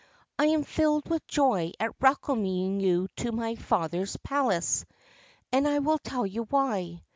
' I am filled with joy at welcoming you to my father's palace, and I will tell you why.